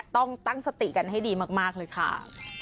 ต้องตั้งสติกันให้ดีมากเลยค่ะ